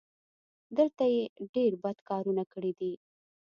دلته یې ډېر بد کارونه کړي دي.